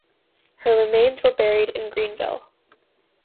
Her remains were buried in Greenville.